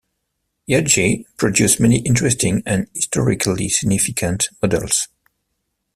Ihagee produced many interesting and historically significant models.